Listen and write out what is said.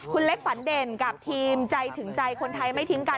คุณเล็กฝันเด่นกับทีมใจถึงใจคนไทยไม่ทิ้งกัน